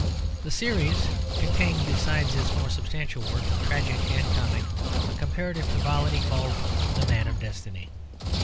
The series contained, besides its more substantial work, tragic and comic, a comparative frivolity called The Man of Destiny.